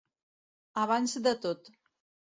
Abans de tot.